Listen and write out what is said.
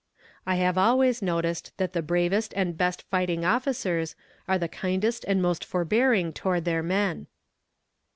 I have always noticed that the bravest and best fighting officers are the kindest and most forbearing toward their men.